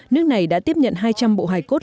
nước này đã tiếp nhận hai trăm linh bộ hài cốt